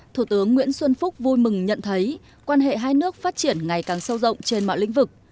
thủ tướng nguyễn xuân phúc vui mừng nhận thấy quan hệ hai nước phát triển ngày càng sâu rộng trên mọi lĩnh vực